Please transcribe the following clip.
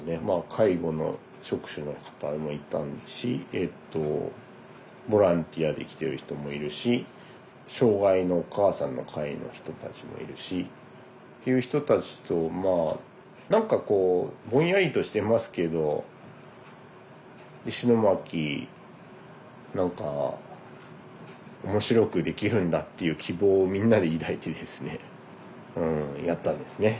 介護の職種の方もいたしボランティアで来てる人もいるし障害のお母さんの会の人たちもいるし。という人たちと何かこうぼんやりとしてますけど石巻何か面白くできるんだっていう希望をみんなで抱いてですねやったんですね。